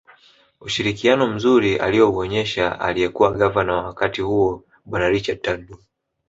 Ushirikiano mzuri aliouonyesha aliyekuwa gavana wa wakati huo bwana Richard Turnbull